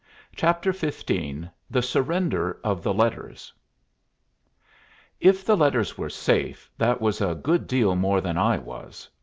CHAPTER XV THE SURRENDER OF THE LETTERS If the letters were safe, that was a good deal more than I was.